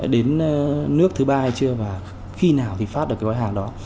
đến nước thứ ba hay chưa và khi nào thì phát được cái gói hàng đó